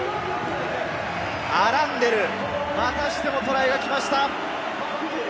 アランデル、またしてもトライが来ました！